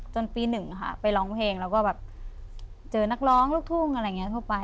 ปีหนึ่งค่ะไปร้องเพลงแล้วก็แบบเจอนักร้องลูกทุ่งอะไรอย่างนี้ทั่วไป